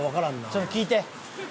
ちょっと聞いて！